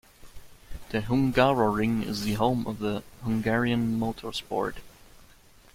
The Hungaroring is the home of Hungarian motorsport.